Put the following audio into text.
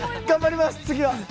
頑張ります、次は。